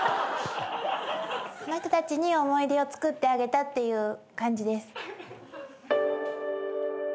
その人たちに思い出をつくってあげたっていう感じです。